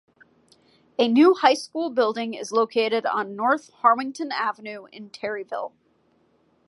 A new high school building is located on North Harwinton Avenue in Terryville.